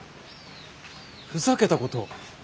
ふざけたことを。